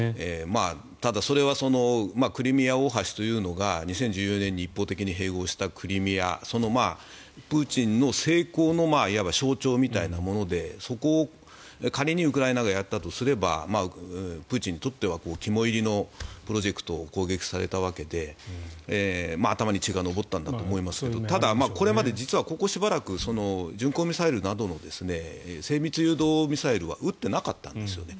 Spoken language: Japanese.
ただ、それはクリミア大橋というのが２０１４年に一方的に併合したクリミアの、プーチンの成功のいわば象徴みたいなものでそこを仮にウクライナがやったとすればプーチンにとっては肝煎りのプロジェクトを攻撃されたわけで頭に血が上ったんだと思いますけどただ、これまで実はここしばらく巡航ミサイルなどの精密誘導ミサイルは撃ってなかったんですよね。